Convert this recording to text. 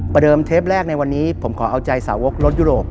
เดิมเทปแรกในวันนี้ผมขอเอาใจสาวกรถยุโรป